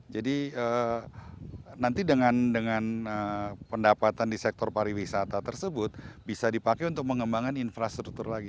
jadi nanti dengan pendapatan di sektor pariwisata tersebut bisa dipakai untuk mengembangkan infrastruktur lagi